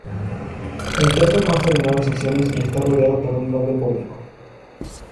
El teatro consta de nueve secciones, y está rodeado por un doble pórtico.